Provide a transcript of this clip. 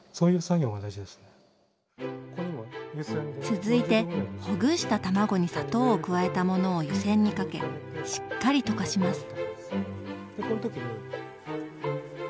続いてほぐした卵に砂糖を加えたものを湯煎にかけしっかり溶かします。